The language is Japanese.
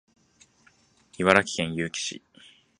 茨城県結城市